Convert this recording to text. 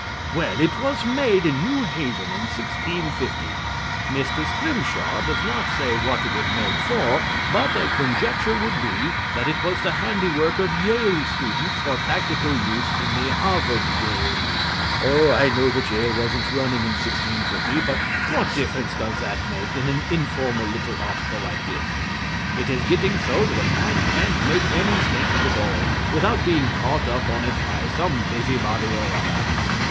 Well, it was made in New Haven in 1650. Mr. Scrimshaw does not say what it was made for, but a conjecture would be that it was the handiwork of Yale students for tactical use in the Harvard game. (Oh, I know that Yale wasn't running in 1650, but what difference does that make in an informal little article like this? It is getting so that a man can't make any statement at all without being caught up on it by some busybody or other.)